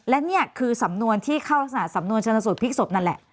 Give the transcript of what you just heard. และนี่คือสำนวนที่เข้ารักษณะสำนวนชนสูตรพลิกศพนั่นแหละ